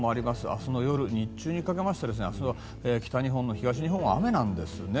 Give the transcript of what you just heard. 明日の夜、日中にかけまして明日は北日本、東日本は雨なんですね。